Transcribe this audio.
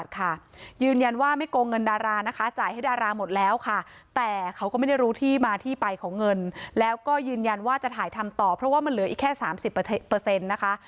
ก็ยืนยันว่าจะถ่ายทำต่อเพราะว่ามันเหลือแค่๓๐นะคะ